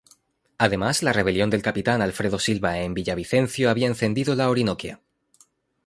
Además la rebelión del Capitán Alfredo Silva en Villavicencio había encendido la Orinoquia.